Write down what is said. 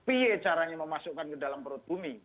py caranya memasukkan ke dalam perut bumi